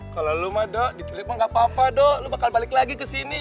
kalo lo mah dok diculik mah gak apa apa dok lo bakal balik lagi kesini